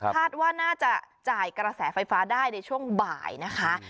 คาดว่าน่าจะจ่ายกระแสไฟฟ้าได้ในช่วงบ่ายนะคะ